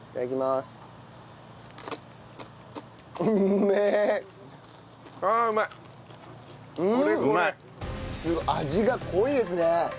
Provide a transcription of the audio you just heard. すごい味が濃いですね。